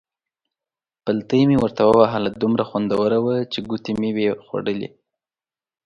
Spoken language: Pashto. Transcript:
پلتۍ مې ورته ووهله، دومره خوندوره وه چې ګوتې مې وې خوړلې.